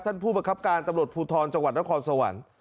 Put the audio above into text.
ผู้ประคับการตำรวจภูทรจังหวัดนครสวรรค์